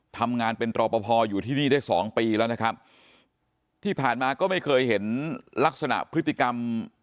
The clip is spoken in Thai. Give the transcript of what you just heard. ทำงานเป็นรอปภอยู่ที่นี่ได้สองปีแล้วนะครับที่ผ่านมาก็ไม่เคยเห็นลักษณะพฤติกรรม